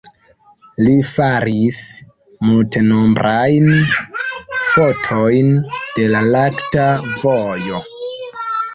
Li faris multenombrajn fotojn de la lakta vojo.